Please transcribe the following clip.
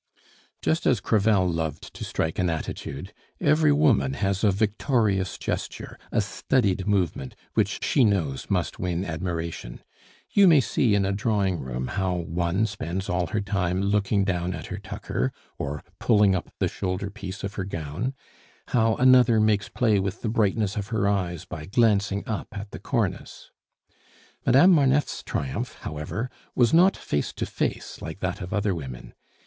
Just as Crevel loved to strike an attitude, every woman has a victorious gesture, a studied movement, which she knows must win admiration. You may see in a drawing room how one spends all her time looking down at her tucker or pulling up the shoulder piece of her gown, how another makes play with the brightness of her eyes by glancing up at the cornice. Madame Marneffe's triumph, however, was not face to face like that of other women.